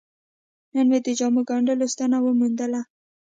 نن مې د جامو ګنډلو ستنه وموندله.